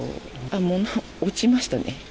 物、落ちましたね。